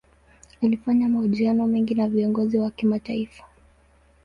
Alifanya mahojiano mengi na viongozi wa kimataifa.